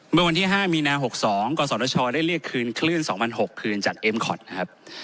เมื่อวันที่๕มีนา๖๒กศชได้เรียกคืนคลื่น๒๖๐๐คืนจากเอ็มคอตนะครับ